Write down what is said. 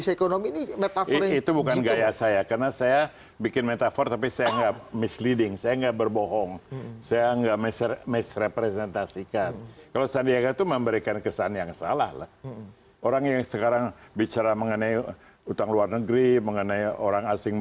jokowi dan sandi